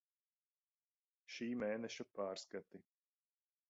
Šī mēneša pārskati.